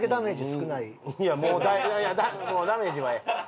いやもうダメージはええ。